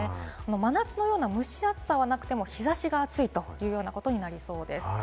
真夏のような蒸し暑さはなくても日差しが暑いというようなことになりそうです。